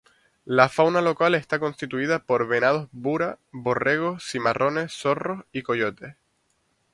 La fauna local está constituida por venados bura, borregos cimarrones, zorros y coyotes.